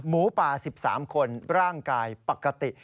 หมูป่า๑๓คนร่างกายปกติ